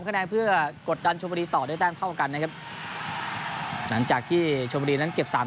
คะแนนเพื่อกดดันชมบุรีต่อด้วยแต้มเท่ากันนะครับหลังจากที่ชมบุรีนั้นเก็บสาม